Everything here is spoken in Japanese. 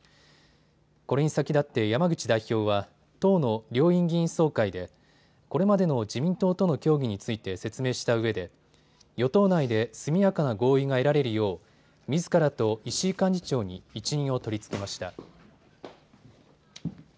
これに先立って山口代表は党の両院議員総会でこれまでの自民党との協議について説明したうえで与党内で速やかな合意が得られるようみずからと石井幹事長に一任を取り付けました。